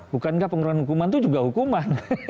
bukankah pengeluaran hukuman itu juga hukuman